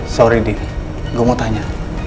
sorry deh gue mau tanya